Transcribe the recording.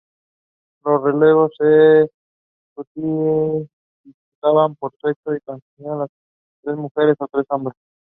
The song was written by Cody Carnes and Reuben Morgan.